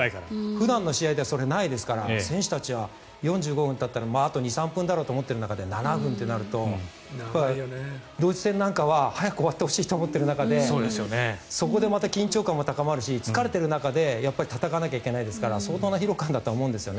普段の試合ではないですから選手たちは４５分たったらあと２３分だろうと思っていたら、７分となるとドイツ戦なんかは早く終わってほしいと思っている中でそこでまた緊張感も高まるし疲れている中で戦わなきゃいけないですから相当な疲労感だとは思うんです。